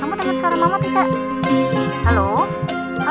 kamu denger suara mama tidak